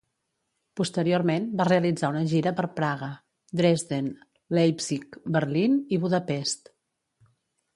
Posteriorment, va realitzar una gira per Praga, Dresden, Leipzig, Berlín i Budapest.